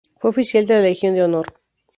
Fue oficial de la Legión de Honor.